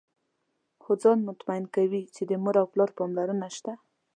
خو ځان مطمئن کوي چې د مور او پلار پاملرنه شته.